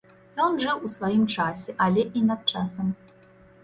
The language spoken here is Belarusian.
Ён жыў у сваім часе, але і над часам.